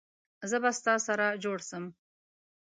زه به ستا سره جوړ سم